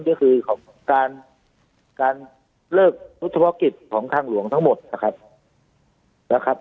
ที่คือของการการเลิกธุรกิจของทางหลวงทั้งหมดนะครับนะครับ